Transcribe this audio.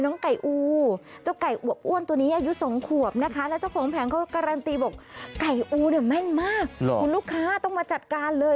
บอกไก่อู๋เนี่ยแม่นมากคุณลูกค้าต้องมาจัดการเลย